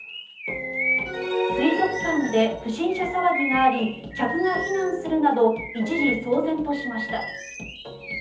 水族館で不審者騒ぎがあり客が避難するなど一時、騒然としました。